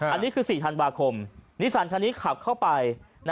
อันนี้คือ๔ธันวาคมนิสันคันนี้ขับเข้าไป